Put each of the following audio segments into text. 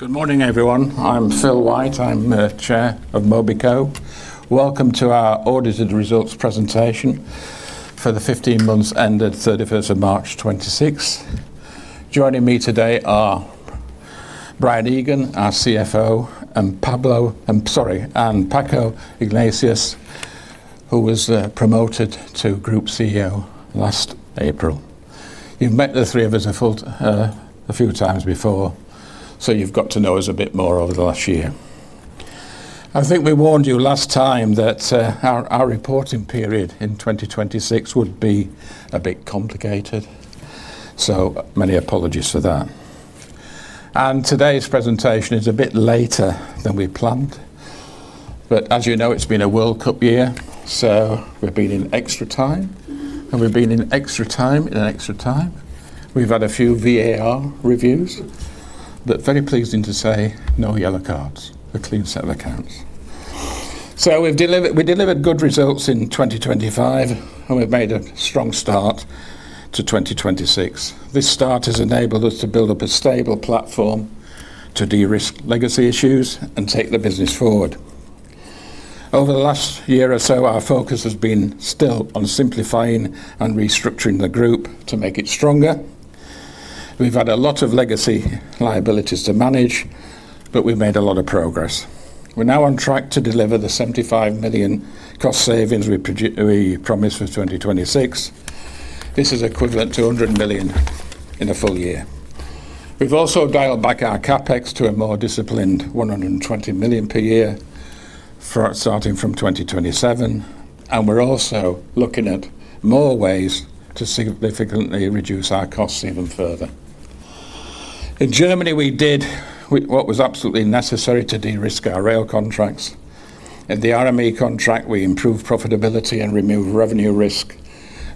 Good morning, everyone. I'm Phil White, I'm Chair of Mobico. Welcome to our audited results presentation for the 15 months ended 31st of March 2026. Joining me today are Brian Egan, our CFO, and Paco Iglesias, who was promoted to Group CEO last April. You've met the three of us a few times before, you've got to know us a bit more over the last year. I think we warned you last time that our reporting period in 2026 would be a bit complicated, many apologies for that. Today's presentation is a bit later than we planned, but as you know, it's been a World Cup year, we've been in extra time, and we've been in extra time in extra time. We've had a few VAR reviews that very pleasing to say, no yellow cards, a clean set of accounts. We delivered good results in 2025, and we've made a strong start to 2026. This start has enabled us to build up a stable platform to de-risk legacy issues and take the business forward. Over the last year or so, our focus has been still on simplifying and restructuring the group to make it stronger. We've had a lot of legacy liabilities to manage, but we've made a lot of progress. We're now on track to deliver the 75 million cost savings we promised for 2026. This is equivalent to 100 million in a full year. We've also dialed back our CapEx to a more disciplined 120 million per year starting from 2027, and we're also looking at more ways to significantly reduce our costs even further. In Germany, we did what was absolutely necessary to de-risk our rail contracts. At the RME contract, we improved profitability and removed revenue risk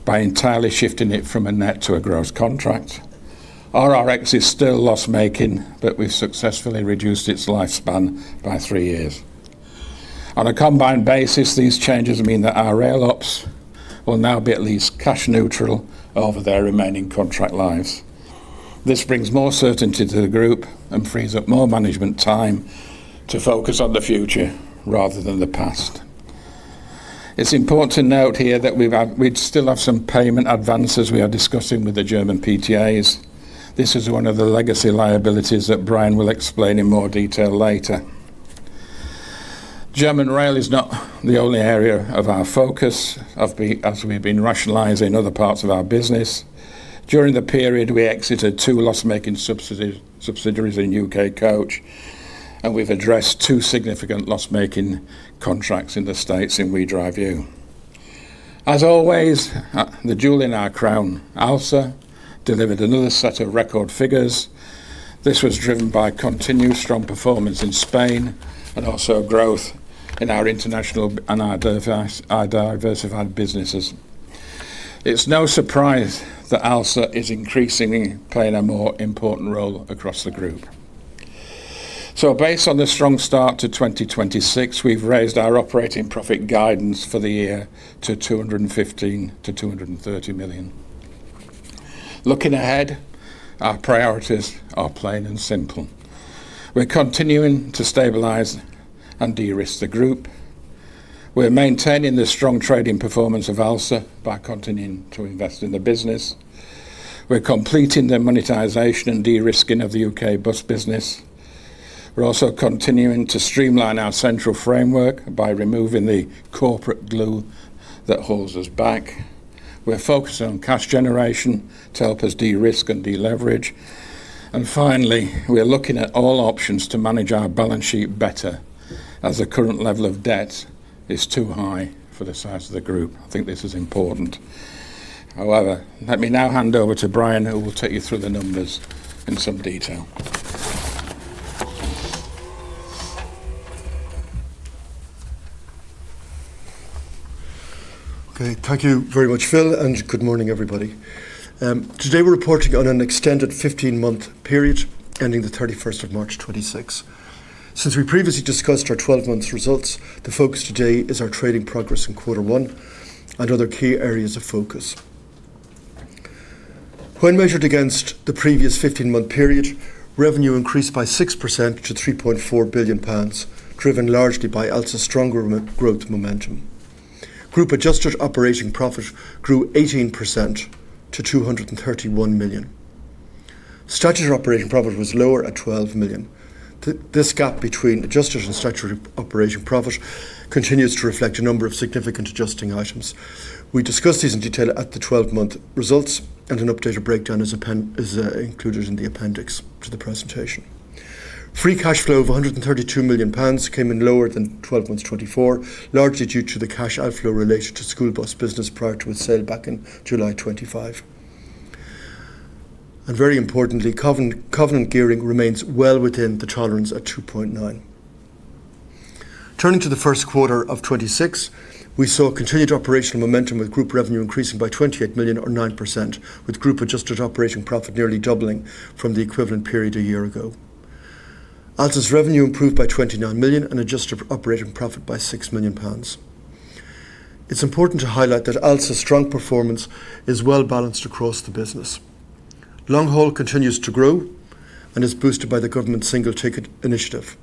by entirely shifting it from a net to a gross contract. RRX is still loss-making, but we've successfully reduced its lifespan by three years. On a combined basis, these changes mean that our rail ops will now be at least cash neutral over their remaining contract lives. This brings more certainty to the group and frees up more management time to focus on the future rather than the past. It's important to note here that we still have some payment advances we are discussing with the German PTAs. This is one of the legacy liabilities that Brian will explain in more detail later. German Rail is not the only area of our focus as we've been rationalizing other parts of our business. During the period, we exited two loss-making subsidiaries in UK Coach, and we've addressed two significant loss-making contracts in the U.S. in WeDriveU. As always, the jewel in our crown, Alsa, delivered another set of record figures. This was driven by continued strong performance in Spain and also growth in our international and our diversified businesses. It's no surprise that Alsa is increasingly playing a more important role across the group. Based on the strong start to 2026, we've raised our operating profit guidance for the year to 215 million-230 million. Looking ahead, our priorities are plain and simple. We're continuing to stabilize and de-risk the group. We're maintaining the strong trading performance of Alsa by continuing to invest in the business. We're completing the monetization and de-risking of the UK Bus business. We're also continuing to streamline our central framework by removing the corporate glue that holds us back. We're focusing on cash generation to help us de-risk and de-leverage. Finally, we are looking at all options to manage our balance sheet better as the current level of debt is too high for the size of the group. I think this is important. Let me now hand over to Brian, who will take you through the numbers in some detail. Okay, thank you very much, Phil, and good morning, everybody. Today, we're reporting on an extended 15-month period ending the 31st of March 2026. Since we previously discussed our 12-month results, the focus today is our trading progress in quarter one and other key areas of focus. When measured against the previous 15-month period, revenue increased by 6% to 3.4 billion pounds, driven largely by Alsa's stronger growth momentum. Group adjusted operating profit grew 18% to 231 million. Statutory operating profit was lower at 12 million. This gap between adjusted and statutory operating profit continues to reflect a number of significant adjusting items. We discussed these in detail at the 12-month results, an updated breakdown is included in the appendix to the presentation. Free cash flow of 132 million pounds came in lower than 12 months 2024, largely due to the cash outflow related to school bus business prior to its sale back in July 2025. Very importantly, covenant gearing remains well within the tolerance at 2.9. Turning to the first quarter of 2026, we saw continued operational momentum with group revenue increasing by 28 million or 9%, with group adjusted operating profit nearly doubling from the equivalent period a year ago. Alsa's revenue improved by 29 million and adjusted operating profit by 6 million pounds. It's important to highlight that Alsa's strong performance is well-balanced across the business. Long-haul continues to grow and is boosted by the government's single-ticket initiative.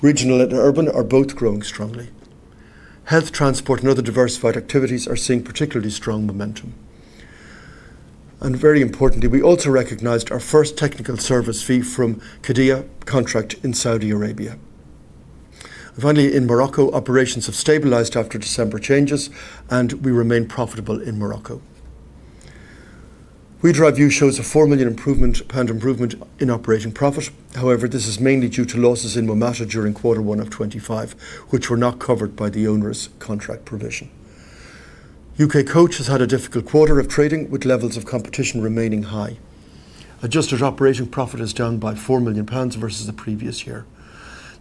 Regional and urban are both growing strongly. Health transport and other diversified activities are seeing particularly strong momentum. Very importantly, we also recognized our first technical service fee from Qiddiya contract in Saudi Arabia. Finally, in Morocco, operations have stabilized after December changes, and we remain profitable in Morocco. WeDriveU shows a 4 million pound improvement in operating profit. This is mainly due to losses in WMATA during quarter one of 2025, which were not covered by the owner's contract provision. UK Coach has had a difficult quarter of trading, with levels of competition remaining high. Adjusted operating profit is down by 4 million pounds versus the previous year.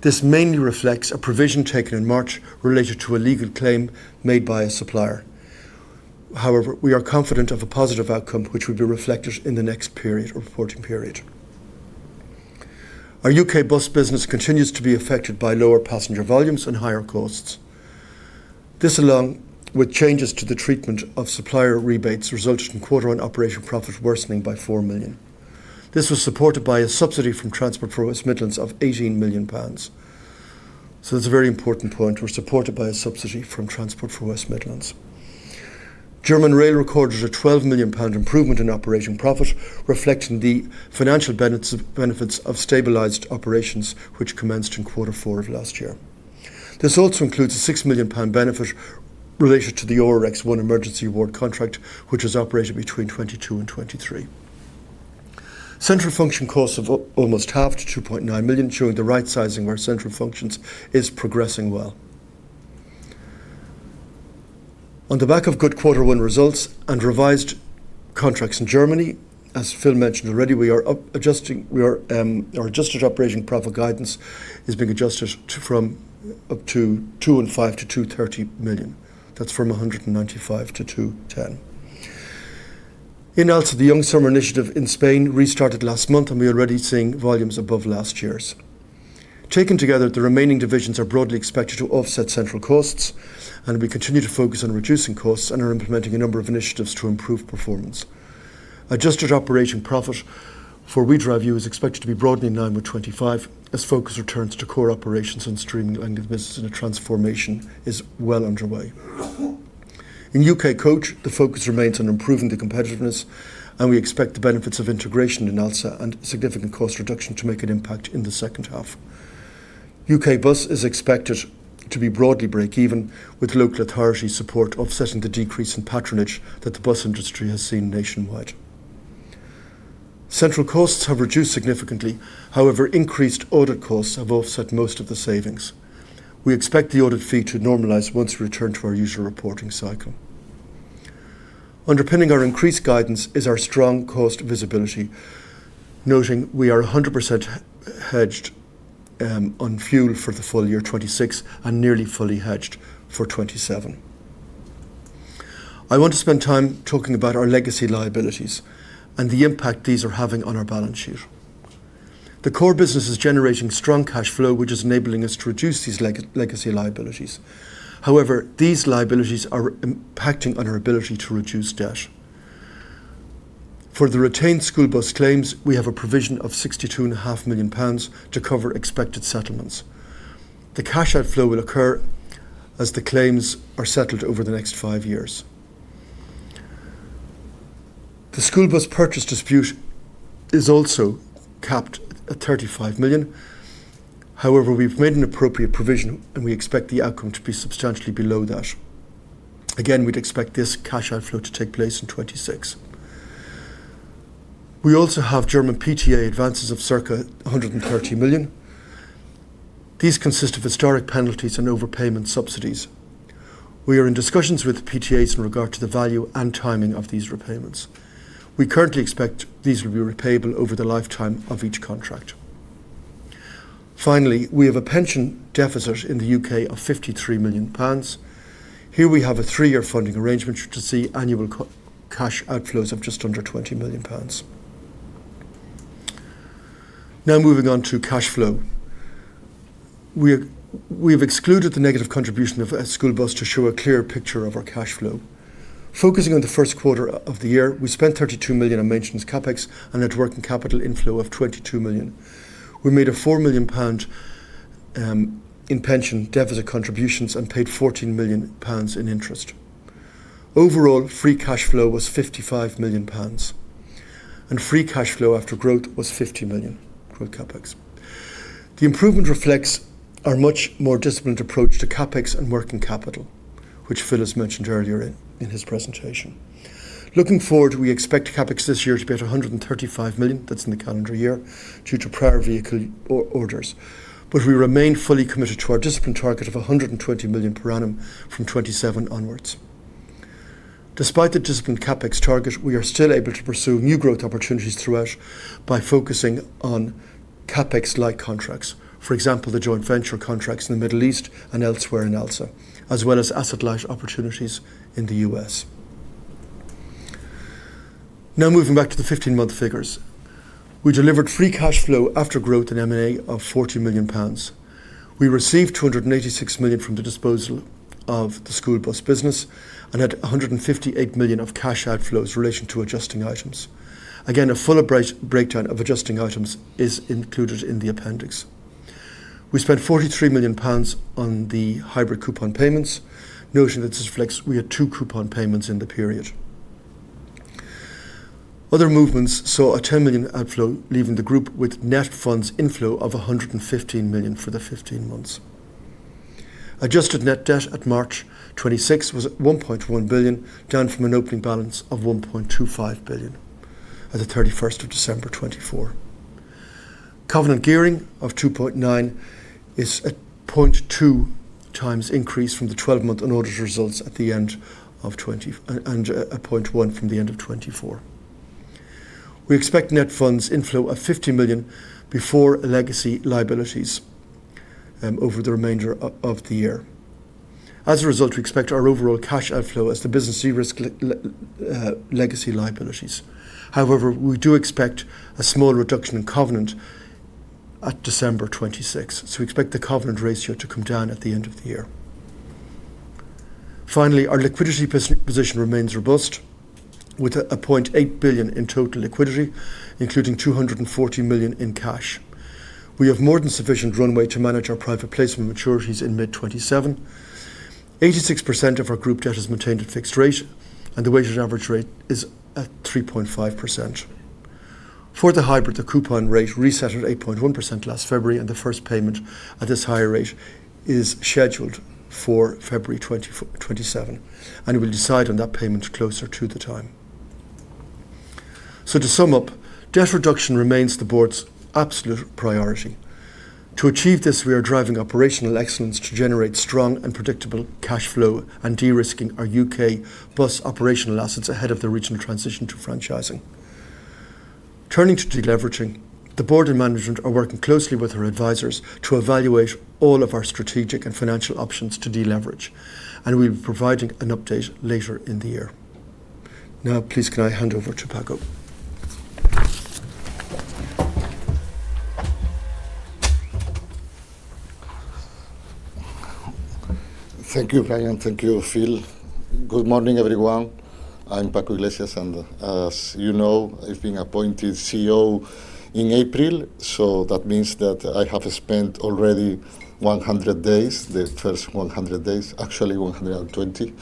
This mainly reflects a provision taken in March related to a legal claim made by a supplier. We are confident of a positive outcome, which will be reflected in the next reporting period. Our UK Bus business continues to be affected by lower passenger volumes and higher costs. This, along with changes to the treatment of supplier rebates, resulted in quarter one operating profit worsening by 4 million. This was supported by a subsidy from Transport for West Midlands of 18 million pounds. That's a very important point. We're supported by a subsidy from Transport for West Midlands. German Rail recorded a 12 million pound improvement in operating profit, reflecting the financial benefits of stabilized operations, which commenced in quarter four of last year. This also includes a 6 million pound benefit related to the RRX Lot 1 Emergency Award contract, which was operated between 2022 and 2023. Central function costs have almost halved to 2.9 million, showing the right sizing of our central functions is progressing well. On the back of good quarter one results and revised contracts in Germany, as Phil mentioned already, our adjusted operating profit guidance is being adjusted from up to 205 million to 230 million. That's from 195 to 210. In Alsa, the Verano Joven initiative in Spain restarted last month, we are already seeing volumes above last year's. Taken together, the remaining divisions are broadly expected to offset central costs, we continue to focus on reducing costs and are implementing a number of initiatives to improve performance. Adjusted operating profit for WeDriveU is expected to be broadly in line with 2025 as focus returns to core operations and streamlining the business and a transformation is well underway. In UK Coach, the focus remains on improving the competitiveness, and we expect the benefits of integration in Alsa and significant cost reduction to make an impact in the second half. UK Bus is expected to be broadly break even, with local authority support offsetting the decrease in patronage that the bus industry has seen nationwide. Central costs have reduced significantly. However, increased audit costs have offset most of the savings. We expect the audit fee to normalize once we return to our usual reporting cycle. Underpinning our increased guidance is our strong cost visibility, noting we are 100% hedged on fuel for the full year 2026 and nearly fully hedged for 2027. I want to spend time talking about our legacy liabilities and the impact these are having on our balance sheet. The core business is generating strong cash flow, which is enabling us to reduce these legacy liabilities. However, these liabilities are impacting on our ability to reduce debt. For the retained school bus claims, we have a provision of 62.5 million pounds to cover expected settlements. The cash outflow will occur as the claims are settled over the next five years. The school bus purchase dispute is also capped at 35 million. However, we've made an appropriate provision, we expect the outcome to be substantially below that. Again, we'd expect this cash outflow to take place in 2026. We also have German PTA advances of circa 130 million. These consist of historic penalties and overpayment subsidies. We are in discussions with PTAs in regard to the value and timing of these repayments. We currently expect these will be repayable over the lifetime of each contract. Finally, we have a pension deficit in the U.K. of 53 million pounds. Here we have a three-year funding arrangement to see annual cash outflows of just under 20 million pounds. Moving on to cash flow. We have excluded the negative contribution of school bus to show a clear picture of our cash flow. Focusing on the first quarter of the year, we spent 32 million on maintenance CapEx and had working capital inflow of 22 million. We made 4 million pound in pension deficit contributions and paid 14 million pounds in interest. Overall, free cash flow was 55 million pounds, and free cash flow after growth was 50 million growth CapEx. The improvement reflects our much more disciplined approach to CapEx and working capital, which Phil has mentioned earlier in his presentation. Looking forward, we expect CapEx this year to be at 135 million. That is in the calendar year due to prior vehicle orders. We remain fully committed to our disciplined target of 120 million per annum from 2027 onwards. Despite the disciplined CapEx target, we are still able to pursue new growth opportunities throughout by focusing on CapEx-like contracts. For example, the joint venture contracts in the Middle East and elsewhere in Alsa, as well as asset-light opportunities in the U.S. Moving back to the 15-month figures. We delivered free cash flow after growth in M&A of 40 million pounds. We received 286 million from the disposal of the school bus business and had 158 million of cash outflows in relation to adjusting items. A fuller breakdown of adjusting items is included in the appendix. We spent 43 million pounds on the hybrid coupon payments. Notion that this reflects we had two coupon payments in the period. Other movements saw a 10 million outflow, leaving the group with net funds inflow of 115 million for the 15 months. Adjusted net debt at March 2026 was at 1.1 billion, down from an opening balance of 1.25 billion at the 31st of December 2024. Covenant gearing of 2.9 is a 0.2x increase from the 12-month unaudited results at the end of, and 0.1 from the end of 2024. We expect net funds inflow of 50 million before legacy liabilities over the remainder of the year. As a result, we expect our overall cash outflow as the business de-risk legacy liabilities. We do expect a small reduction in covenant at December 2026. We expect the covenant ratio to come down at the end of the year. Our liquidity position remains robust with 0.8 billion in total liquidity, including 240 million in cash. We have more than sufficient runway to manage our private placement maturities in mid-2027. 86% of our group debt is maintained at fixed rate, and the weighted average rate is at 3.5%. For the hybrid, the coupon rate reset at 8.1% last February, and the first payment at this higher rate is scheduled for February 2027, and we will decide on that payment closer to the time. To sum up, debt reduction remains the board's absolute priority. To achieve this, we are driving operational excellence to generate strong and predictable cash flow and de-risking our UK Bus operational assets ahead of the regional transition to franchising. Turning to de-leveraging, the board and management are working closely with our advisors to evaluate all of our strategic and financial options to de-leverage, and we will be providing an update later in the year. Please can I hand over to Paco? Thank you, Brian. Thank you, Phil. Good morning, everyone. I'm Paco Iglesias. As you know, I've been appointed CEO in April. That means that I have spent already 100 days. The first 100 days, actually 120.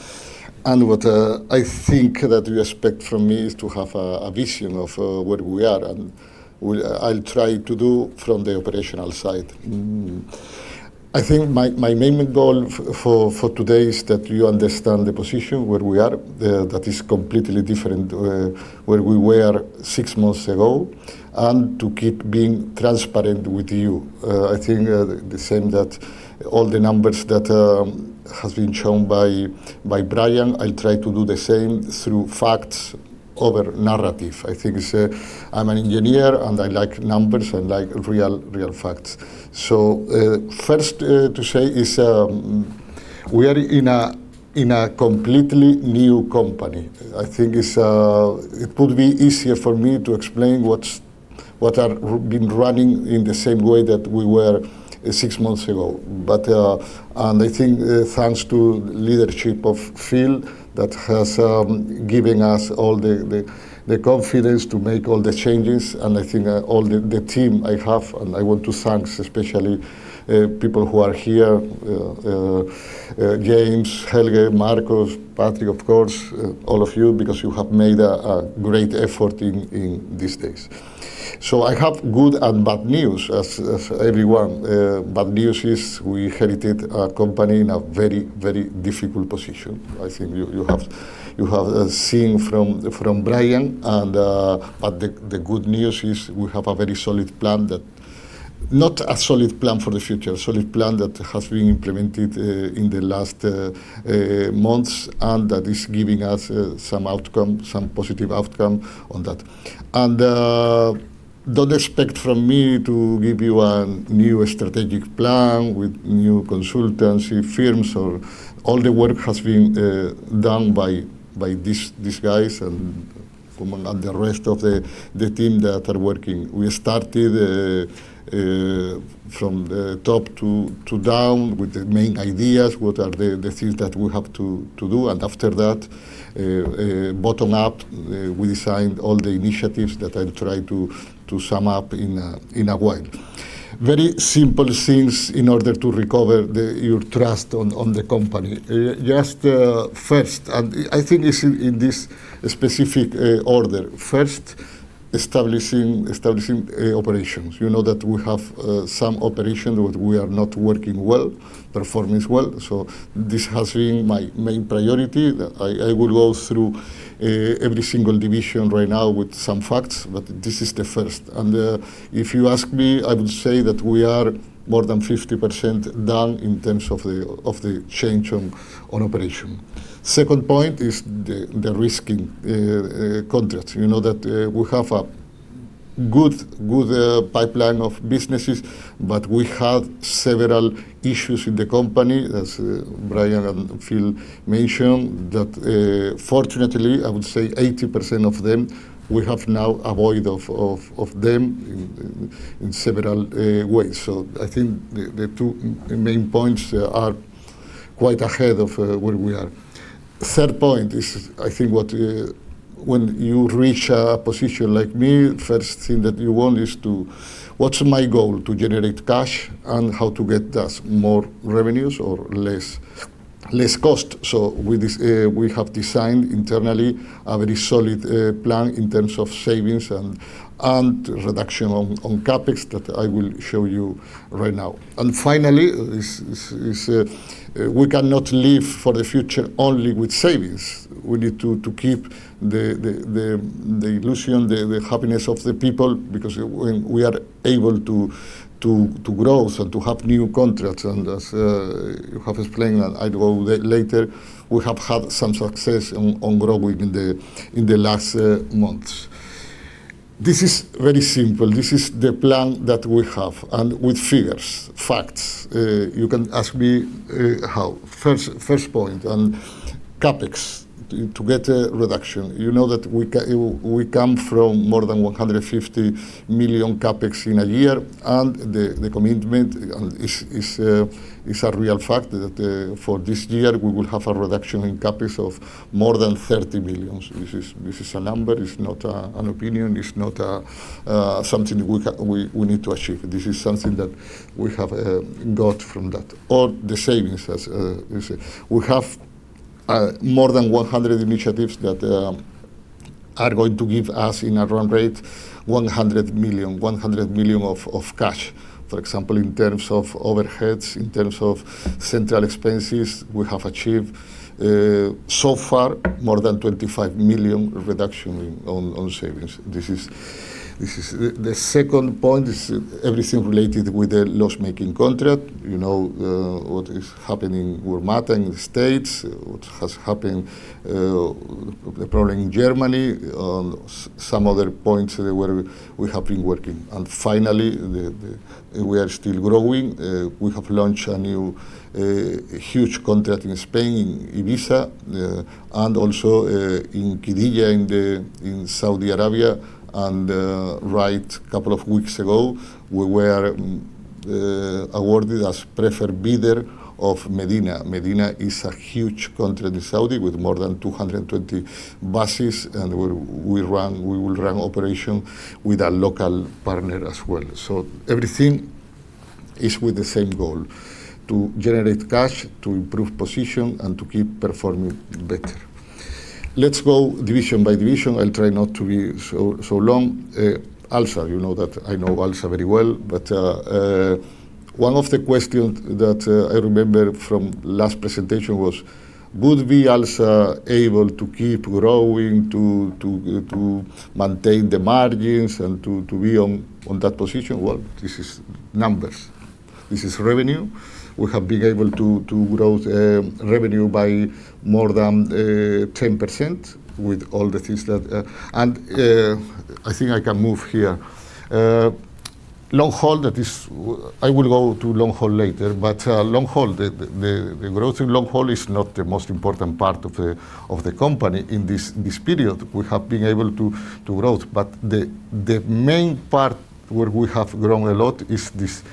What I think that you expect from me is to have a vision of where we are, and I'll try to do from the operational side. I think my main goal for today is that you understand the position where we are that is completely different to where we were six months ago and to keep being transparent with you. I think the same that all the numbers that have been shown by Brian, I try to do the same through facts over narrative. I'm an engineer, and I like numbers. I like real facts. First to say is we are in a completely new company. I think it would be easier for me to explain what have been running in the same way that we were six months ago. I think thanks to leadership of Phil that has given us all the confidence to make all the changes, and I think all the team I have, and I want to thank especially people who are here, James, Helge, Marcos, Patrick, of course, all of you because you have made a great effort in these days. I have good and bad news as everyone. Bad news is we inherited a company in a very difficult position. I think you have seen from Brian. The good news is we have a very solid plan that, not a solid plan for the future, solid plan that has been implemented in the last months and that is giving us some positive outcome on that. Don't expect from me to give you a new strategic plan with new consultancy firms or all the work has been done by these guys and the rest of the team that are working. We started from the top-down with the main ideas, what are the things that we have to do. After that, bottom-up, we designed all the initiatives that I'll try to sum up in a while. Very simple things in order to recover your trust in the company. Just first, and I think it's in this specific order. First, establishing operations. You know that we have some operations that we are not working well, performing well. This has been my main priority that I will go through every single division right now with some facts, but this is the first. If you ask me, I would say that we are more than 50% done in terms of the change on operation. Second point is the risk in contracts. You know that we have a good pipeline of businesses, but we had several issues with the company, as Brian and Phil mentioned. Fortunately, I would say 80% of them, we have now avoided in several ways. I think the two main points are quite ahead of where we are. Third point is, I think when you reach a position like me, first thing that you want is, what's my goal? To generate cash and how to get us more revenues or less cost. With this, we have designed internally a very solid plan in terms of savings and reduction on CapEx that I will show you right now. Finally, we cannot live for the future only with savings. We need to keep the illusion, the happiness of the people, because when we are able to grow, to have new contracts, as you have explained and I go later, we have had some success on growing in the last months. This is very simple. This is the plan that we have, and with figures, facts. You can ask me how. First point on CapEx, to get a reduction. You know that we come from more than 150 million CapEx in a year, the commitment is a real fact that for this year, we will have a reduction in CapEx of more than 30 million. This is a number. It's not an opinion. It's not something we need to achieve. This is something that we have got from that. All the savings, as you say. We have more than 100 initiatives that are going to give us, in a run rate, 100 million of cash. For example, in terms of overheads, in terms of central expenses, we have achieved, so far, more than 25 million reduction on savings. The second point is everything related with the loss-making contract. You know what is happening with WMATA in the U.S., what has happened, the problem in Germany, and some other points where we have been working. Finally, we are still growing. We have launched a new, huge contract in Spain, in Ibiza, and also in Qiddiya in Saudi Arabia. Right, couple of weeks ago, we were awarded as preferred bidder of Medina. Medina is a huge contract in Saudi with more than 220 buses, we will run operation with a local partner as well. Everything is with the same goal, to generate cash, to improve position, and to keep performing better. Let's go division by division. I'll try not to be so long. Alsa, you know that I know Alsa very well, One of the questions that I remember from last presentation was, would be Alsa able to keep growing to maintain the margins and to be on that position? Well, this is numbers. This is revenue. We have been able to grow the revenue by more than 10% with all the things that. I think I can move here. I will go to Long Haul later, but the growth in Long Haul is not the most important part of the company in this period. We have been able to grow, but the main part where we have grown a lot is this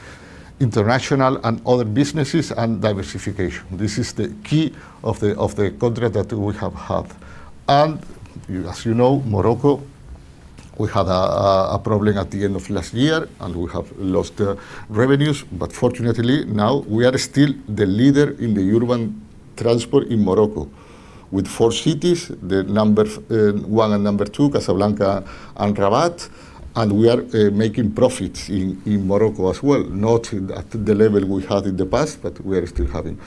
international and other businesses and diversification. This is the key of the contract that we have had. As you know, Morocco, we had a problem at the end of last year, we have lost revenues, Fortunately, now we are still the leader in the urban transport in Morocco with four cities, the number one and number two, Casablanca and Rabat, we are making profits in Morocco as well. Not at the level we had in the past, but we are still having.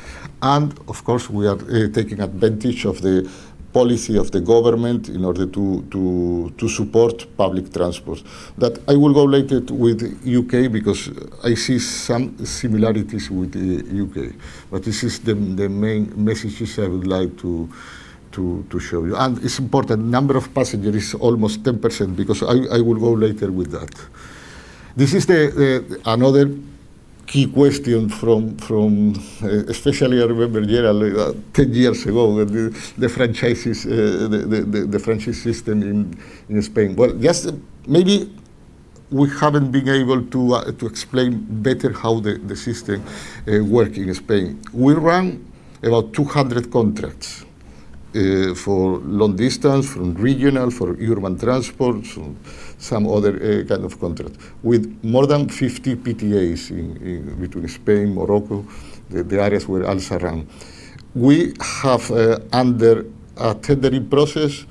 Of course, we are taking advantage of the policy of the government in order to support public transport. That I will go later with U.K., because I see some similarities with the U.K. This is the main messages I would like to show you. It's important, number of passengers is almost 10% because I will go later with that. This is another key question from, especially, I remember Gerald, 10 years ago, the franchise system in Spain. Maybe we haven't been able to explain better how the system work in Spain. We run about 200 contracts for long distance, for regional, for urban transport, some other kind of contract with more than 50 PTAs between Spain, Morocco, the areas where Alsa run. We have, under a tendering process,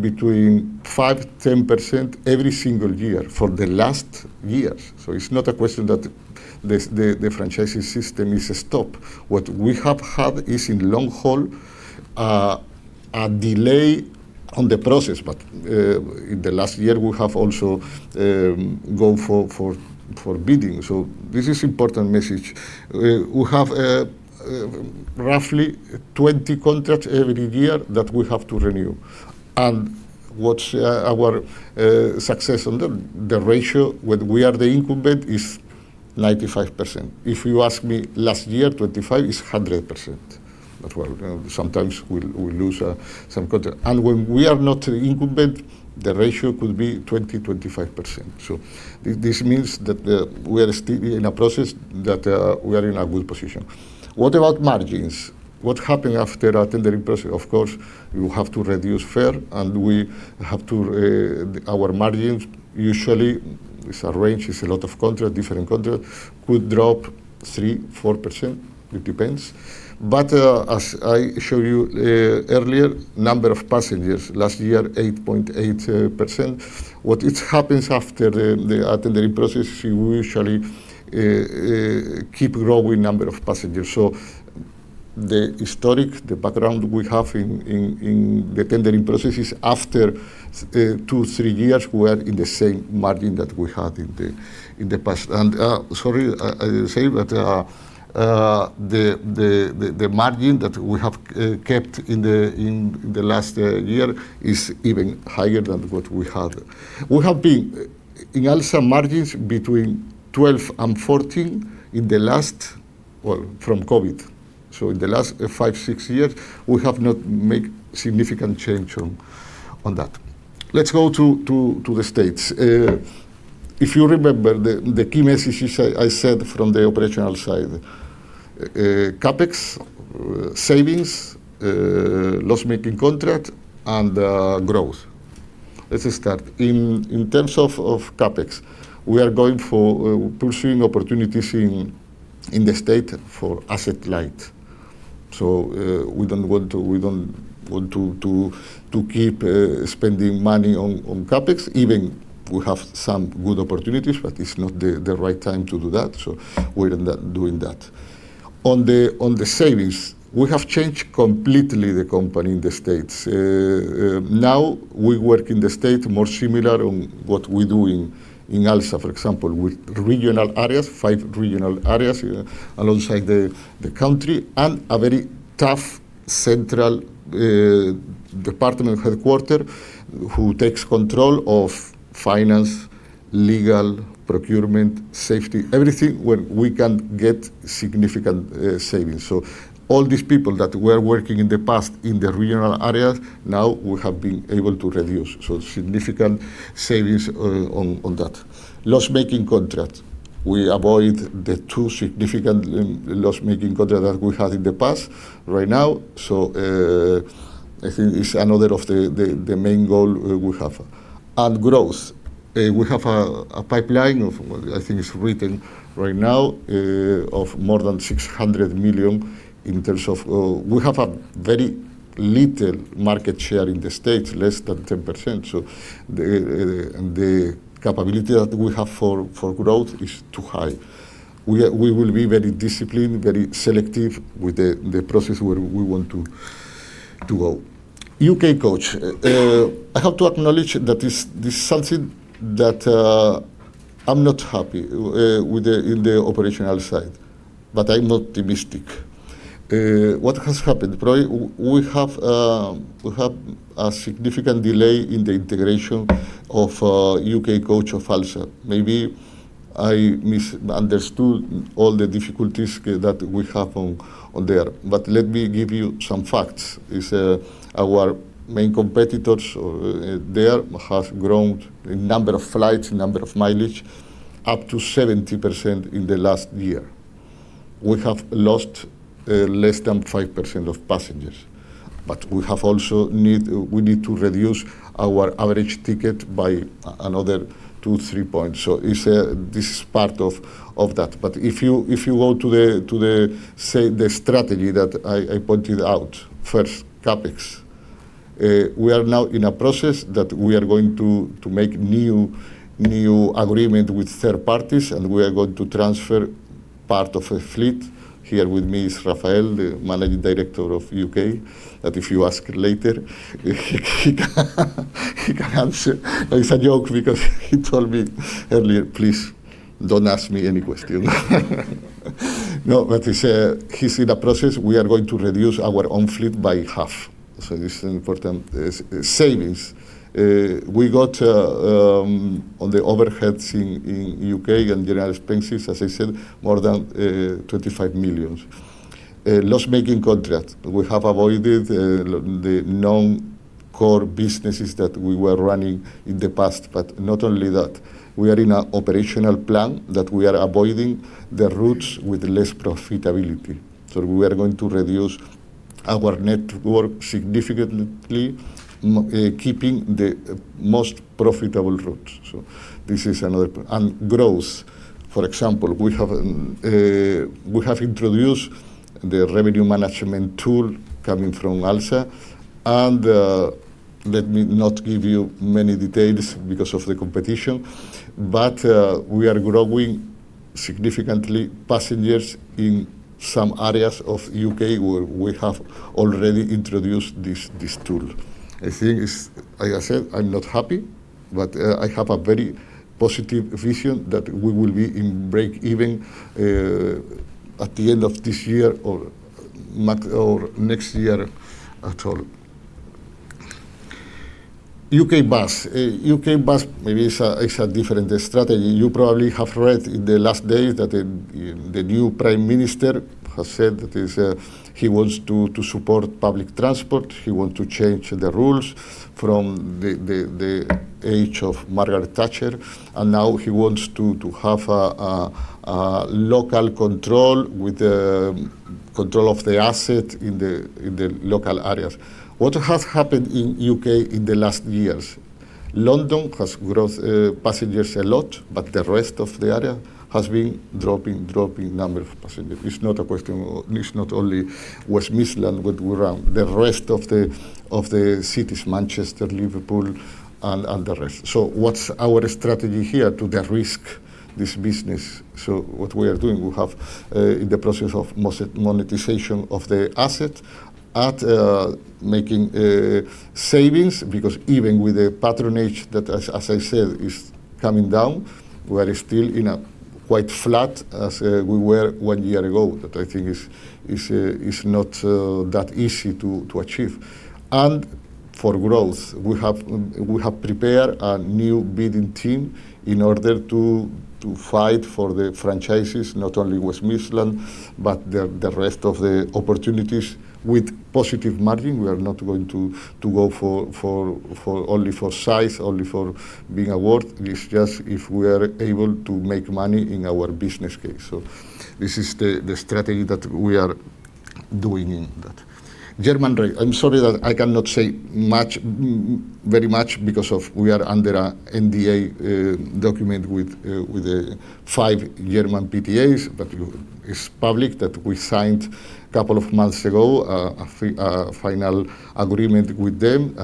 between 5%-10% every single year for the last years. It's not a question that the franchising system is a stop. What we have had is in Long Haul, a delay on the process, but in the last year, we have also go for bidding. This is important message. We have roughly 20 contracts every year that we have to renew. And what's our success on them? The ratio when we are the incumbent is 95%. If you ask me last year, 25% is 100%. Well, sometimes we lose some contract. When we are not incumbent, the ratio could be 20%-25%. This means that we are still in a process that we are in a good position. What about margins? What happened after the tendering process? Of course, you have to reduce fare and our margins usually, it's a range, it's a lot of contract, different contract, could drop 3%-4%. It depends. As I showed you earlier, number of passengers last year, 8.8%. What happens after the tendering process, we usually keep growing number of passengers. The historic, the background we have in the tendering process is after two, three years, we are in the same margin that we had in the past. Sorry, I didn't say, but the margin that we have kept in the last year is even higher than what we had. We have been in Alsa margins between 12-14 from COVID. In the last five, six years, we have not made significant change on that. Let's go to the States. If you remember the key messages I said from the operational side, CapEx, savings, loss-making contract, and growth. Let's start. In terms of CapEx, we are pursuing opportunities in the State for asset-light. We don't want to keep spending money on CapEx, even we have some good opportunities, but it's not the right time to do that, so we're not doing that. On the savings, we have changed completely the company in the States. Now we work in the State more similar on what we do in Alsa, for example, with regional areas, five regional areas alongside the country, and a very tough central department headquarter who takes control of finance, legal, procurement, safety, everything where we can get significant savings. All these people that were working in the past in the regional areas, now we have been able to reduce. Significant savings on that. Loss-making contract. We avoid the two significant loss-making contract that we had in the past right now. I think it's another of the main goal we have. Growth. We have a pipeline of, I think it's written right now, of more than 600 million. We have a very little market share in the States, less than 10%. The capability that we have for growth is too high. We will be very disciplined, very selective with the process where we want to go. UK Coach. I have to acknowledge that this is something that I am not happy in the operational side, but I am optimistic. What has happened? We have a significant delay in the integration of UK Coach of Alsa. Maybe I misunderstood all the difficulties that we have on there, but let me give you some facts, is our main competitors there have grown in number of flights, number of mileage, up to 70% in the last year. We have lost less than 5% of passengers, but we need to reduce our average ticket by another two, three points. This is part of that. But if you go to the strategy that I pointed out, first, CapEx. We are now in a process that we are going to make new agreement with third parties, and we are going to transfer part of a fleet. Here with me is Rafael, the Managing Director for UK Coach, that if you ask later, he can answer. It's a joke because he told me earlier, "Please, don't ask me any question." No, but he's in a process. We are going to reduce our own fleet by half. This is important. Savings. We got on the overheads in U.K. and general expenses, as I said, more than 25 million. Loss-making contract. We have avoided the non-core businesses that we were running in the past. Not only that, we are in an operational plan that we are avoiding the routes with less profitability. We are going to reduce our network significantly, keeping the most profitable routes. This is another point. And growth. For example, we have introduced the revenue management tool coming from Alsa and, let me not give you many details because of the competition, but we are growing significantly passengers in some areas of U.K. where we have already introduced this tool. I think it's, like I said, I am not happy, but I have a very positive vision that we will be in break-even at the end of this year or next year at all. UK Bus. UK Bus, maybe it's a different strategy. You probably have read in the last days that the new Prime Minister has said that he wants to support public transport. He want to change the rules from the age of Margaret Thatcher, and now he wants to have a local control with the control of the asset in the local areas. What has happened in U.K. in the last years, London has grown passengers a lot, but the rest of the area has been dropping number of passengers. It's not only West Midlands, but around the rest of the cities, Manchester, Liverpool and the rest. What's our strategy here to de-risk this business? What we are doing, we have in the process of monetization of the asset and making savings, because even with a patronage that, as I said, is coming down, we are still in a quite flat as we were one year ago. That I think is not that easy to achieve. For growth, we have prepared a new bidding team in order to fight for the franchises, not only West Midlands but the rest of the opportunities with positive margin. We are not going to go only for size, only for being award. It's just if we are able to make money in our business case. This is the strategy that we are doing in that. German Rail. I'm sorry that I cannot say very much because we are under an NDA document with the five German PTAs, but it's public that we signed a couple of months ago, a final agreement with them.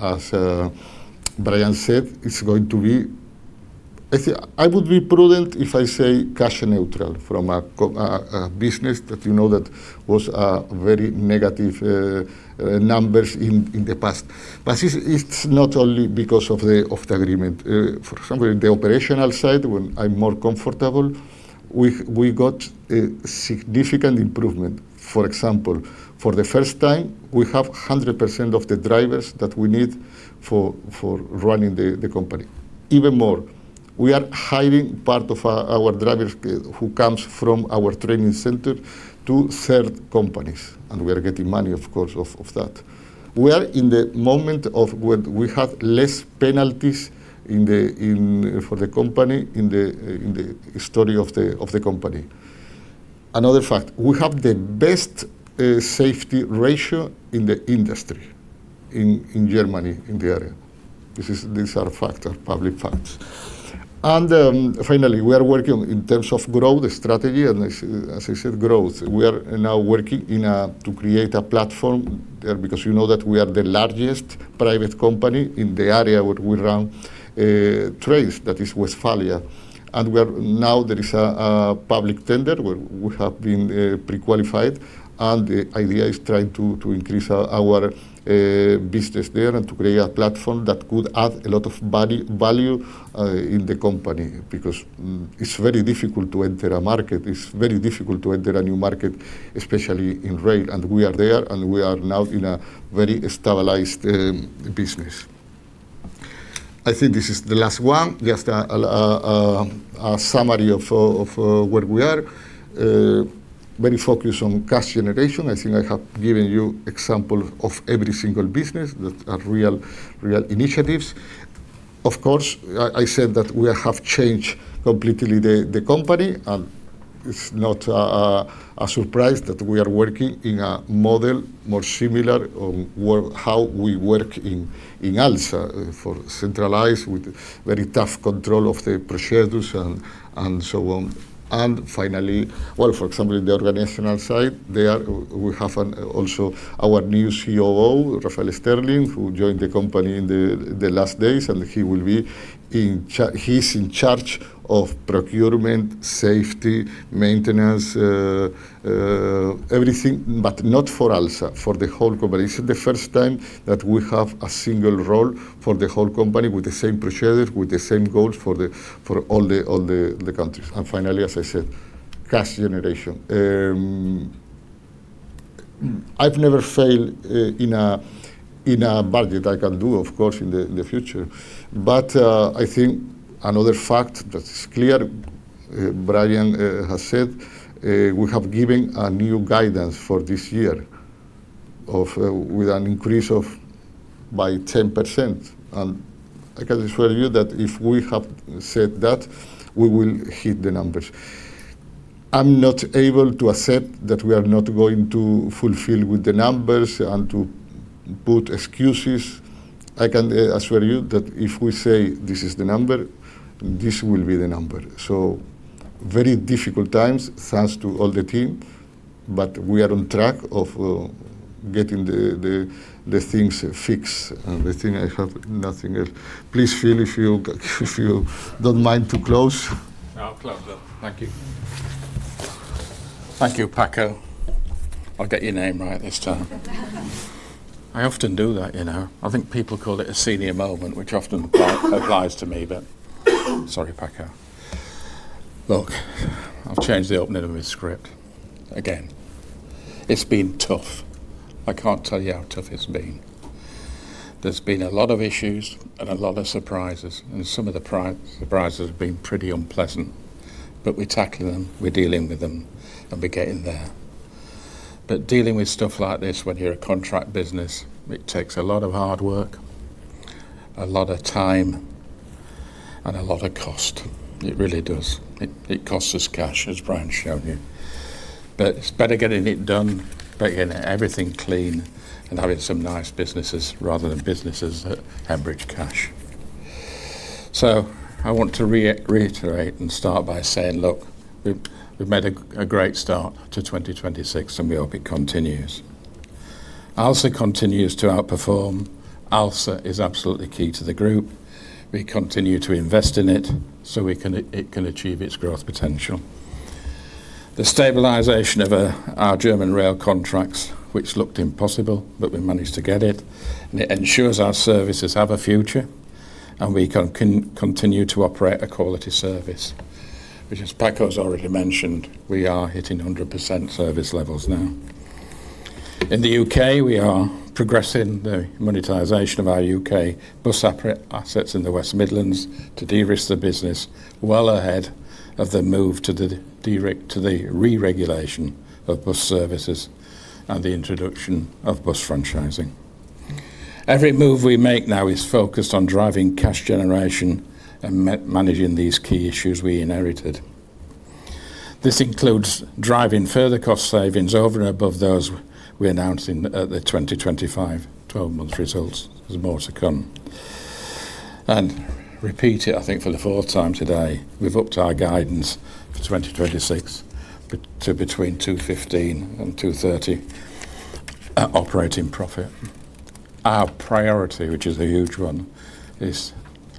As Brian said, I would be prudent if I say cash neutral from a business that you know that was a very negative numbers in the past. It's not only because of the agreement. For example, in the operational side, when I'm more comfortable, we got a significant improvement. For example, for the first time, we have 100% of the drivers that we need for running the company. Even more, we are hiring part of our driver skill who comes from our training center to third companies, and we are getting money, of course, off of that. We are in the moment of when we have less penalties for the company in the history of the company. Another fact, we have the best safety ratio in the industry in Germany, in the area. These are facts, public facts. Finally, we are working in terms of growth strategy, and as I said, growth. We are now working to create a platform there because you know that we are the largest private company in the area where we run trains, that is Westphalia. Now there is a public tender where we have been pre-qualified, and the idea is trying to increase our business there and to create a platform that could add a lot of value in the company. Because it's very difficult to enter a new market, especially in rail. We are there and we are now in a very stabilized business. I think this is the last one. Just a summary of where we are. Very focused on cash generation. I think I have given you example of every single business that are real initiatives. Of course, I said that we have changed completely the company, and it's not a surprise that we are working in a model more similar on how we work in Alsa, for centralized with very tough control of the procedures and so on. Finally, well, for example, in the organizational side, there we have also our new COO, Rafael Sterling, who joined the company in the last days, and he's in charge of procurement, safety, maintenance, everything, but not for Alsa, for the whole company. It's the first time that we have a single role for the whole company with the same procedures, with the same goals for all the countries. Finally, as I said, cash generation. I've never failed in a budget. I can do, of course, in the future. I think another fact that is clear, Brian has said, we have given a new guidance for this year with an increase by 10%. I can assure you that if we have said that, we will hit the numbers. I'm not able to accept that we are not going to fulfill with the numbers and to put excuses. I can assure you that if we say this is the number, this will be the number. Very difficult times, thanks to all the team, but we are on track of getting the things fixed. I think I have nothing else. Please, Phil, if you don't mind to close. I'll close. Thank you. Thank you, Paco. I'll get your name right this time. I often do that. I think people call it a senior moment, which often applies to me, sorry, Paco. Look, I've changed the opening of this script again. It's been tough. I can't tell you how tough it's been. There's been a lot of issues and a lot of surprises, and some of the surprises have been pretty unpleasant. We're tackling them, we're dealing with them, and we're getting there. Dealing with stuff like this when you're a contract business, it takes a lot of hard work, a lot of time, and a lot of cost. It really does. It costs us cash, as Brian's shown you. It's better getting it done, getting everything clean, and having some nice businesses rather than businesses that hemorrhage cash. I want to reiterate and start by saying, look, we've made a great start to 2026, and we hope it continues. Alsa continues to outperform. Alsa is absolutely key to the group. We continue to invest in it so it can achieve its growth potential. The stabilization of our German Rail contracts, which looked impossible, but we managed to get it, and it ensures our services have a future, and we can continue to operate a quality service. Which, as Paco's already mentioned, we are hitting 100% service levels now. In the U.K., we are progressing the monetization of our UK Bus assets in the West Midlands to de-risk the business well ahead of the move to the re-regulation of bus services and the introduction of bus franchising. Every move we make now is focused on driving cash generation and managing these key issues we inherited. This includes driving further cost savings over and above those we announced in the 2025 12-month results. There's more to come. Repeat it, I think, for the fourth time today, we've upped our guidance for 2026 to between 215 and 230 operating profit. Our priority, which is a huge one, is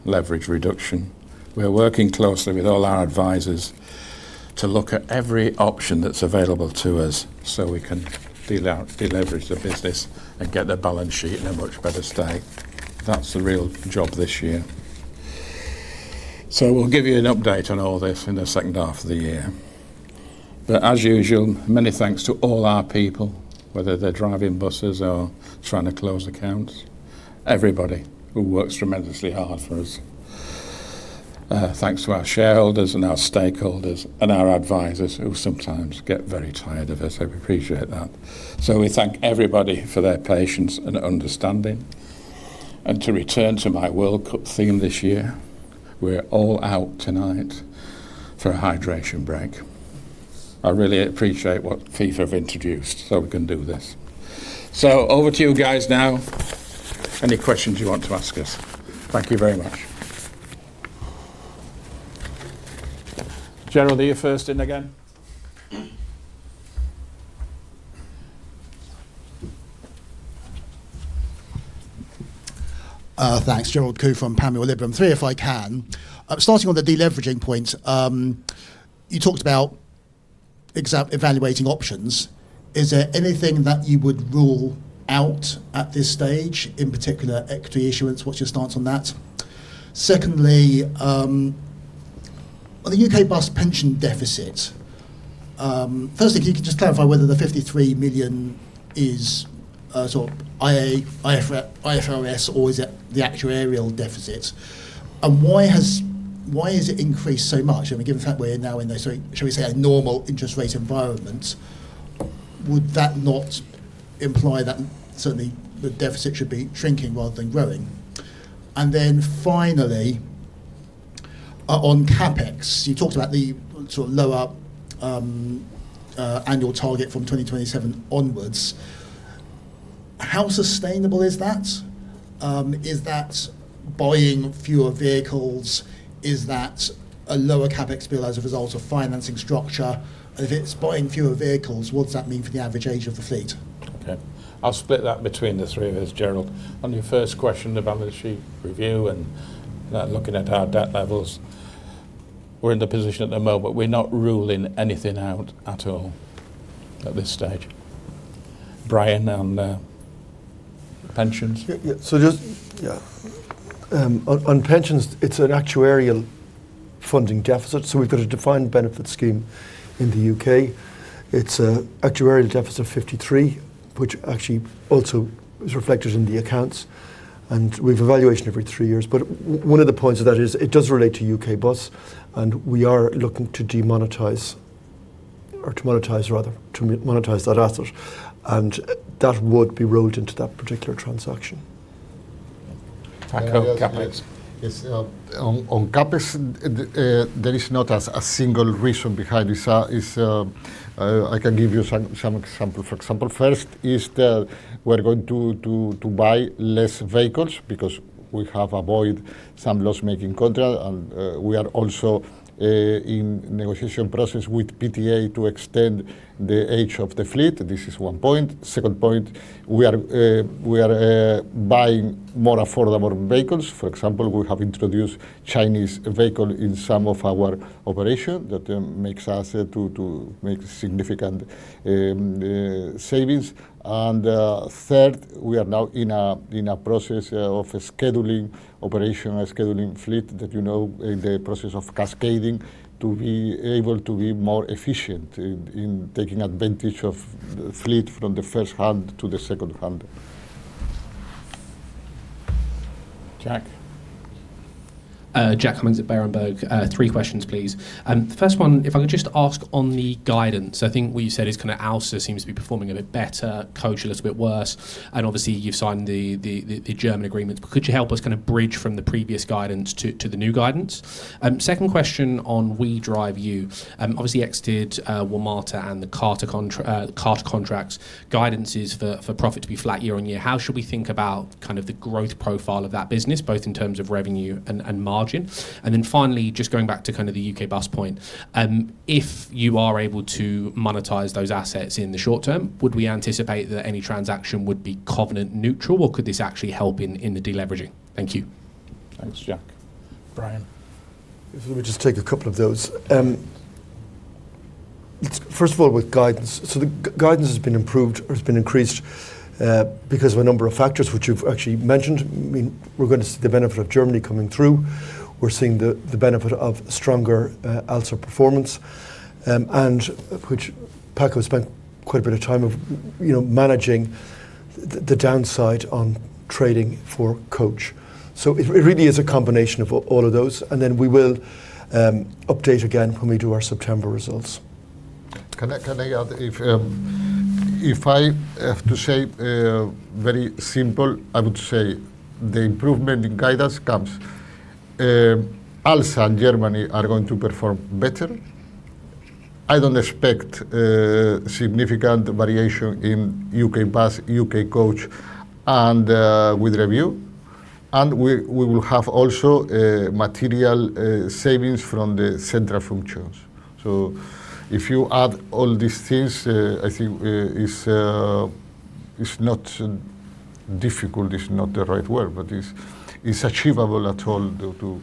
leverage reduction. We are working closely with all our advisors to look at every option that's available to us so we can de-leverage the business and get the balance sheet in a much better state. That's the real job this year. We'll give you an update on all this in the second half of the year. As usual, many thanks to all our people, whether they're driving buses or trying to close accounts. Everybody who works tremendously hard for us. Thanks to our shareholders and our stakeholders and our advisors who sometimes get very tired of us. We appreciate that. We thank everybody for their patience and understanding. To return to my World Cup theme this year, we're all out tonight for a hydration break. I really appreciate what FIFA have introduced so we can do this. Over to you guys now. Any questions you want to ask us? Thank you very much. Gerald, are you first in again? Thanks. Gerald Khoo from Panmure Liberum. Three, if I can. Starting on the de-leveraging point. You talked about evaluating options. Is there anything that you would rule out at this stage, in particular equity issuance? What's your stance on that? Secondly, on the UK Bus pension deficit. Firstly, can you just clarify whether the 53 million is IFRS or is it the actuarial deficit? Why has it increased so much? Given the fact we're now in a, shall we say, normal interest rate environment, would that not imply that certainly the deficit should be shrinking rather than growing? Then finally, on CapEx, you talked about the lower annual target from 2027 onwards. How sustainable is that? Is that buying fewer vehicles? Is that a lower CapEx bill as a result of financing structure? If it's buying fewer vehicles, what does that mean for the average age of the fleet? Okay. I'll split that between the three of us, Gerald. On your first question, the balance sheet review and looking at our debt levels. We're in the position at the moment we're not ruling anything out at all at this stage. Brian, on pensions? Yeah. On pensions, it's an actuarial funding deficit. We've got a defined benefit scheme in the U.K. It's actuarial deficit of 53, which actually also is reflected in the accounts. We have a valuation every three years. One of the points of that is it does relate to UK Bus, and we are looking to demonetize or to monetize rather, that asset. That would be rolled into that particular transaction. Paco, CapEx? Yes. On CapEx, there is not a single reason behind this. I can give you some example. For example, first is that we're going to buy less vehicles because we have avoid some loss-making contract and we are also in negotiation process with PTA to extend the age of the fleet. This is one point. Second point, we are buying more affordable vehicles. For example, we have introduced Chinese vehicle in some of our operation. That makes us to make significant savings. Third, we are now in a process of scheduling operational scheduling fleet that you know in the process of cascading to be able to be more efficient in taking advantage of fleet from the first-hand to the second-hand. Jack Jack Cummings at Berenberg. Three questions, please. The first one, if I could just ask on the guidance. I think what you said is kind of Alsa seems to be performing a bit better, Coach a little bit worse, and obviously you've signed the German agreement. Could you help us kind of bridge from the previous guidance to the new guidance? Second question on WeDriveU. Obviously, exited WMATA and the [Carter] contracts. Guidance is for profit to be flat year-on-year. How should we think about kind of the growth profile of that business, both in terms of revenue and margin? Then finally, just going back to kind of the UK Bus point. If you are able to monetize those assets in the short term, would we anticipate that any transaction would be covenant-neutral, or could this actually help in the de-leveraging? Thank you. Thanks, Jack. Brian. If we just take a couple of those. First of all, with guidance. The guidance has been improved or has been increased because of a number of factors which you've actually mentioned. We're going to see the benefit of Germany coming through. We're seeing the benefit of stronger Alsa performance, and which Paco spent quite a bit of time managing the downside on trading for Coach. It really is a combination of all of those, and then we will update again when we do our September results. Can I add? If I have to say very simple, I would say the improvement in guidance comes. Alsa and Germany are going to perform better. I don't expect significant variation in UK Bus, UK Coach, and with WeDriveU. We will have also material savings from the central functions. If you add all these things, I think it's not difficult. It's not the right word, but it's achievable at all to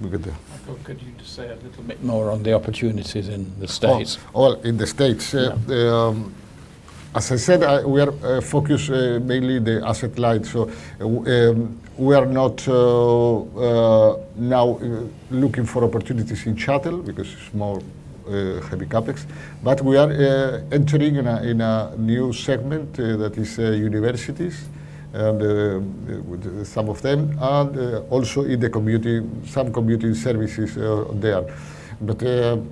look at the- Paco, could you just say a little bit more on the opportunities in the U.S.? Oh, in the U.S. Yeah. As I said, we are focused mainly the asset-light. We are not now looking for opportunities in shuttle because it's more heavy CapEx. But we are entering in a new segment that is universities, and with some of them, and also some commuting services are there.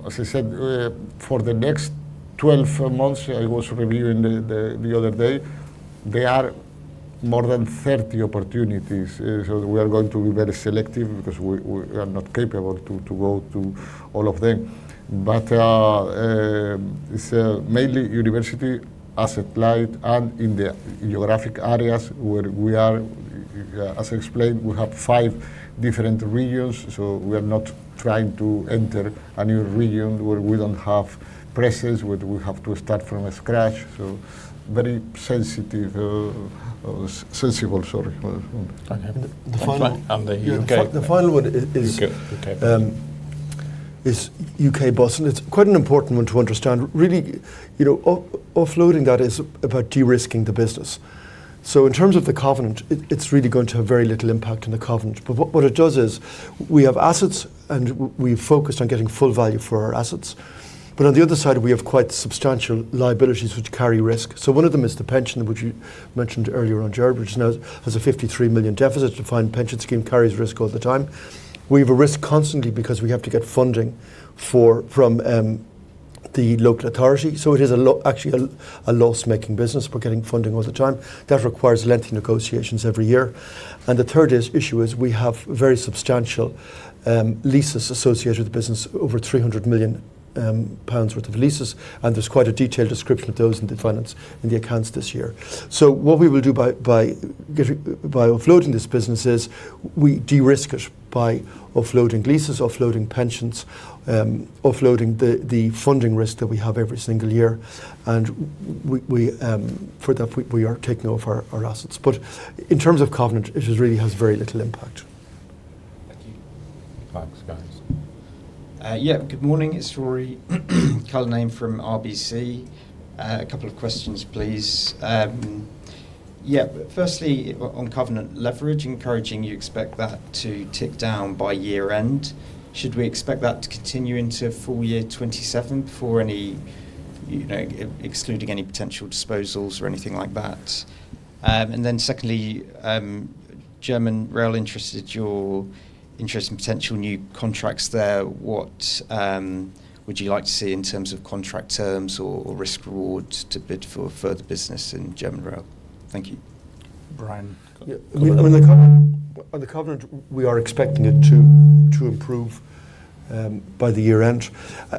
As I said, for the next 12 months, I was reviewing the other day, there are more than 30 opportunities. We are going to be very selective because we are not capable to go to all of them. It's mainly university asset-light and in the geographic areas where we are. As I explained, we have five different regions. We are not trying to enter a new region where we don't have presence, where we have to start from scratch. Very sensitive. Sensible, sorry. Okay. The final- The U.K. The final one is. U.K. Okay. is UK Bus, and it's quite an important one to understand. Really offloading that is about de-risking the business. In terms of the covenant, it's really going to have very little impact on the covenant. What it does is we have assets, and we've focused on getting full value for our assets. On the other side, we have quite substantial liabilities which carry risk. One of them is the pension, which you mentioned earlier on, Gerald, which now has a 53 million deficit. Defined benefit scheme carries risk all the time. We have a risk constantly because we have to get funding from the local authority. It is actually a loss-making business. We're getting funding all the time. That requires lengthy negotiations every year. The third issue is we have very substantial leases associated with the business, over 300 million pounds worth of leases, and there's quite a detailed description of those in the finance in the accounts this year. What we will do by offloading this business is we de-risk it by offloading leases, offloading pensions, offloading the funding risk that we have every single year. For that, we are taking over our assets. In terms of covenant, it just really has very little impact. Thank you. Thanks, guys. Good morning. It's Ruairi Cullinane from RBC. A couple of questions, please. Firstly, on covenant gearing, encouraging you expect that to tick down by year end. Should we expect that to continue into full year 2027 excluding any potential disposals or anything like that? Secondly, German Rail. Your interest in potential new contracts there. What would you like to see in terms of contract terms or risk rewards to bid for further business in German Rail? Thank you. Brian. Yeah. On the covenant, we are expecting it to improve by the year end.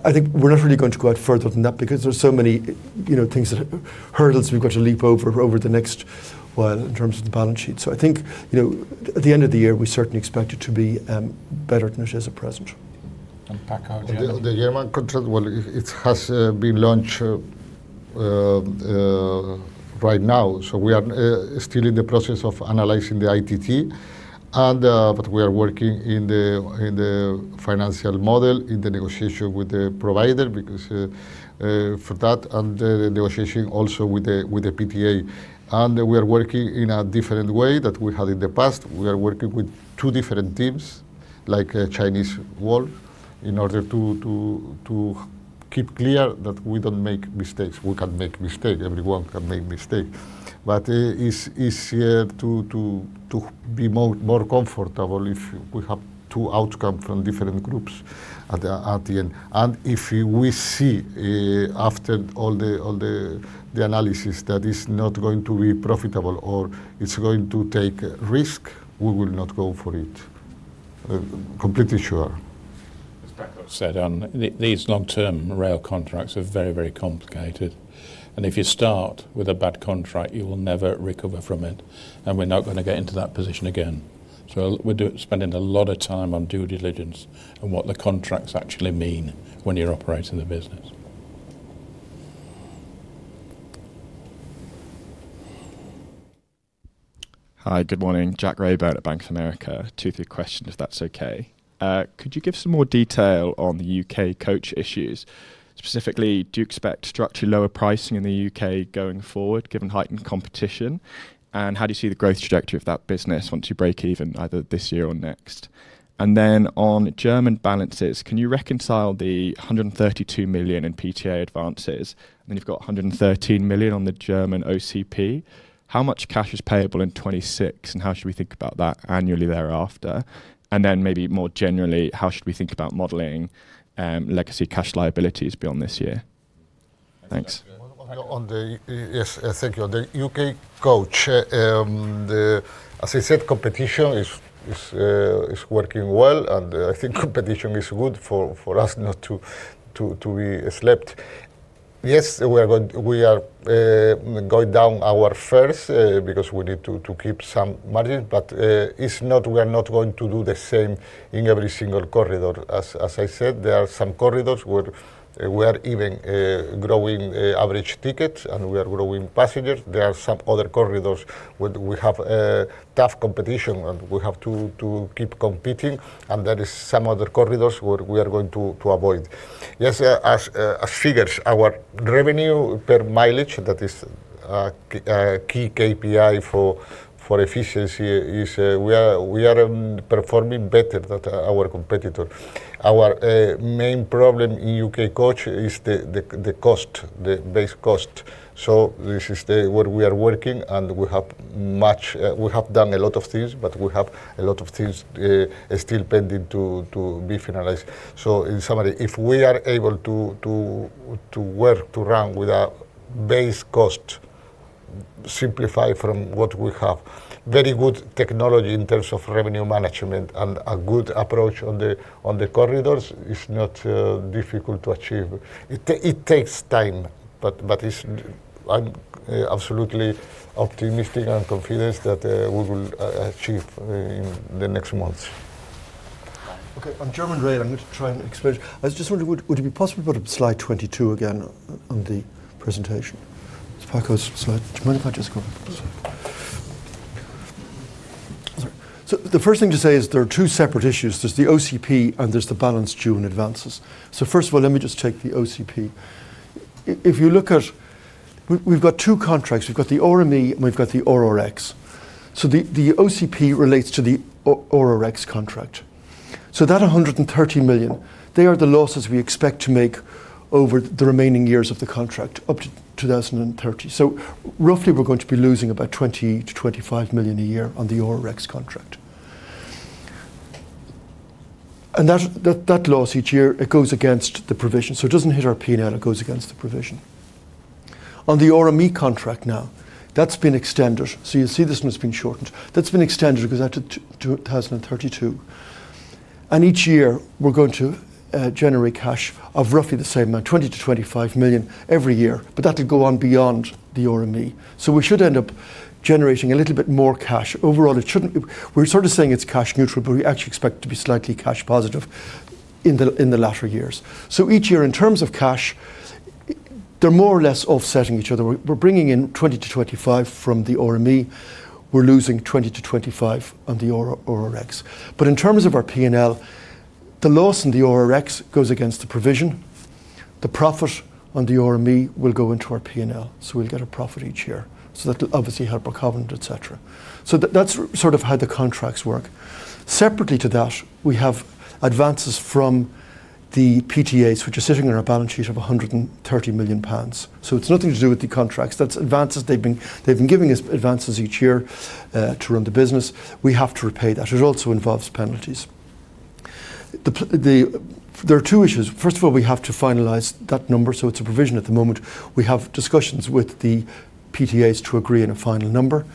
I think we're not really going to go out further than that because there's so many hurdles we've got to leap over the next while in terms of the balance sheet. I think, at the end of the year, we certainly expect it to be better than it is at present. Paco at the end. The German contract, well, it has been launched right now. We are still in the process of analyzing the ITT. We are working in the financial model in the negotiation with the provider because for that and the negotiation also with the PTA. We are working in a different way than we have in the past. We are working with two different teams, like Chinese wall, in order to keep clear that we don't make mistake. We can make mistake. Everyone can make mistake. It's easier to be more comfortable if we have two outcome from different groups at the end. If we see after all the analysis that is not going to be profitable or it's going to take risk, we will not go for it. Completely sure. As Paco said, these long-term rail contracts are very complicated. If you start with a bad contract, you will never recover from it. We're not going to get into that position again. We're spending a lot of time on due diligence and what the contracts actually mean when you're operating the business. Hi, good morning. [Jack Roberts] at Bank of America. Two, three question, if that's okay. Could you give some more detail on the UK Coach issues? Specifically, do you expect structurally lower pricing in the U.K. going forward given heightened competition? How do you see the growth trajectory of that business once you break even either this year or next? On German balances, can you reconcile the 132 million in PTA advances? You've got 113 million on the German OCP. How much cash is payable in 2026, and how should we think about that annually thereafter? Maybe more generally, how should we think about modeling legacy cash liabilities beyond this year? Thanks. Yes, thank you. On the UK Coach, as I said, competition is working well. I think competition is good for us not to be asleep. Yes, we are going down our fares because we need to keep some margin, but we are not going to do the same in every single corridor. As I said, there are some corridors where we are even growing average ticket. We are growing passengers. There are some other corridors where we have tough competition, and we have to keep competing. There is some other corridors where we are going to avoid. Yes, as figures, our revenue per mileage, that is a key KPI for efficiency is we are performing better than our competitor. Our main problem in UK Coach is the base cost. This is where we are working. We have done a lot of things, we have a lot of things still pending to be finalized. In summary, if we are able to work to run with a base cost simplified from what we have, very good technology in terms of revenue management and a good approach on the corridors is not difficult to achieve. It takes time, I'm absolutely optimistic and confident that we will achieve in the next months. Okay. On German Rail, I'm going to try and explain. I was just wondering, would it be possible to put up slide 22 again on the presentation? It's Paco's slide. Do you mind if I just go on this one? Sorry. The first thing to say is there are two separate issues. There's the OCP and there's the balance due in advances. First of all, let me just take the OCP. We've got two contracts. We've got the RME and we've got the RRX. The OCP relates to the RRX contract. That 130 million, they are the losses we expect to make over the remaining years of the contract up to 2030. Roughly, we're going to be losing about 20 million-25 million a year on the RRX contract. That loss each year, it goes against the provision. It doesn't hit our P&L, it goes against the provision. On the RME contract now, that's been extended. You see this one's been shortened. That's been extended because after 2032. Each year we're going to generate cash of roughly the same amount, 20 million-25 million every year, that will go on beyond the RME. We should end up generating a little bit more cash. Overall, we're sort of saying it's cash neutral, we actually expect to be slightly cash positive in the latter years. Each year, in terms of cash, they're more or less offsetting each other. We're bringing in 20 million-25 million from the RME. We're losing 20 million-25 million on the RRX. In terms of our P&L, the loss in the RRX goes against the provision. The profit on the RME will go into our P&L. We'll get a profit each year. That will obviously help our covenant, et cetera. That's sort of how the contracts work. Separately to that, we have advances from the PTAs, which are sitting on our balance sheet of 130 million pounds. It's nothing to do with the contracts. That's advances they've been giving us each year to run the business. We have to repay that. It also involves penalties. There are two issues. First of all, we have to finalize that number, so it's a provision at the moment. We have discussions with the PTAs to agree on a final number.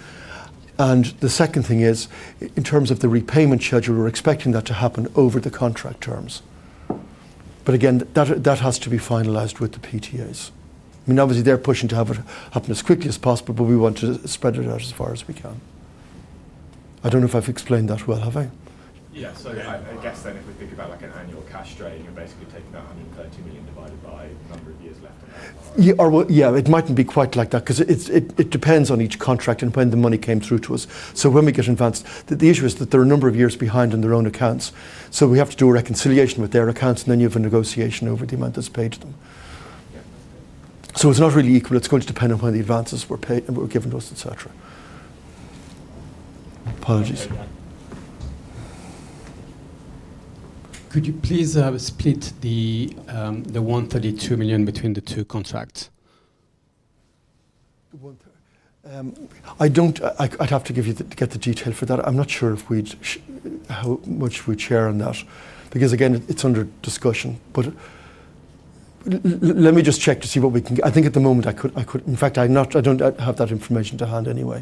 The second thing is, in terms of the repayment schedule, we're expecting that to happen over the contract terms. Again, that has to be finalized with the PTAs. I mean, obviously they're pushing to have it happen as quickly as possible, but we want to spread it out as far as we can. I don't know if I've explained that well, have I? I guess if we think about an annual cash drain, you're basically taking that 130 million divided by number of years left or- Well, it mightn't be quite like that because it depends on each contract and when the money came through to us. When we get advanced, the issue is that there are a number of years behind on their own accounts. We have to do a reconciliation with their accounts, you have a negotiation over the amount that's paid to them. Yeah. It's not really equal. It's going to depend on when the advances were given to us, et cetera. Apologies. Could you please split the 132 million between the two contracts? I'd have to get the detail for that. I'm not sure how much we'd share on that because, again, it's under discussion. Let me just check to see what we can. In fact, I don't have that information to hand anyway.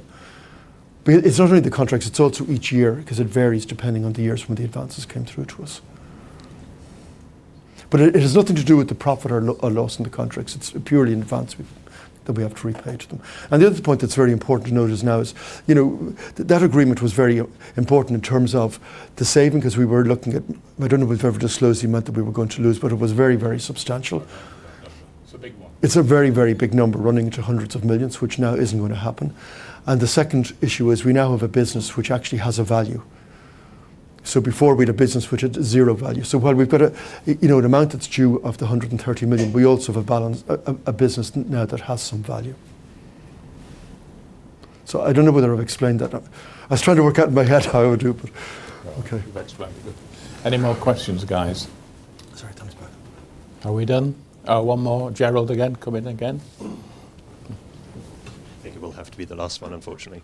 It's not only the contracts, it's also each year because it varies depending on the years when the advances came through to us. It has nothing to do with the profit or loss in the contracts. It's purely an advance that we have to repay to them. The other point that's very important to notice now is that agreement was very important in terms of the saving, because we were looking at I don't know if we've ever disclosed the amount that we were going to lose, but it was very, very substantial. It's a big one. It's a very, very big number, running to hundreds of millions, which now isn't going to happen. The second issue is we now have a business which actually has a value. Before, we had a business which had zero value. While we've got an amount that's due of the 130 million, we also have a business now that has some value. I don't know whether I've explained that. I was trying to work out in my head how I would do, but okay. No, you've explained it good. Any more questions, guys? Sorry, [Thomas Bird]. Are we done? One more. Gerald again. Come in again. I think it will have to be the last one, unfortunately.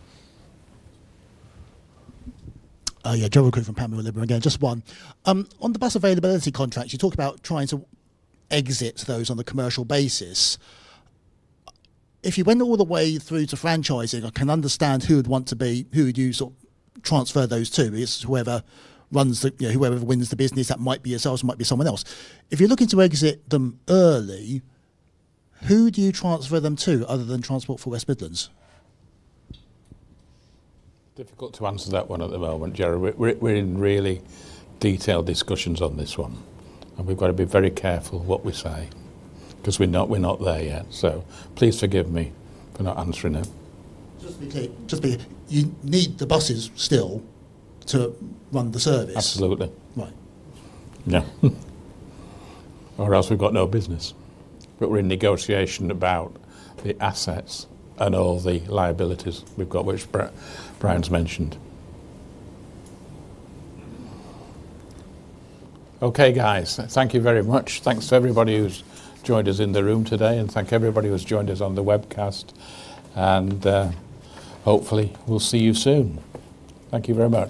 Yeah, Gerald Khoo from Panmure Liberum again. Just one. On the bus availability contracts, you talk about trying to exit those on a commercial basis. If you went all the way through to franchising, I can understand who you'd transfer those to. It's whoever wins the business. That might be yourselves, it might be someone else. If you're looking to exit them early, who do you transfer them to other than Transport for West Midlands? Difficult to answer that one at the moment, Gerald. We're in really detailed discussions on this one, we've got to be very careful what we say because we're not there yet. Please forgive me for not answering it. Just to be clear, you need the buses still to run the service? Absolutely. Right. Yeah. Else we've got no business. We're in negotiation about the assets and all the liabilities we've got, which Brian's mentioned. Okay, guys. Thank you very much. Thanks to everybody who's joined us in the room today, and thank everybody who's joined us on the webcast. Hopefully we'll see you soon. Thank you very much.